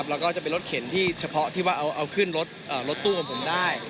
แล้วก็จะเป็นรถเข็นที่เฉพาะที่ว่าเอาขึ้นรถตู้ของผมได้